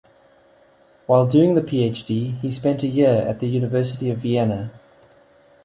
While doing the Ph.D., he spent a year at the University of Vienna.